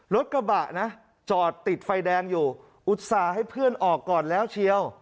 รถกระบะนะจอดติดไฟแดงอยู่อุตส่าห์ให้เพื่อนออกก่อนแล้วเชียว